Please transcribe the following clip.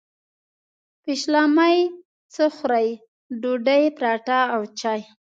پیشلمۍ څه خورئ؟ ډوډۍ، پراټه او چاي